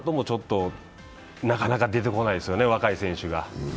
ちょっと、なかなか出てこないですよね、若い選手が。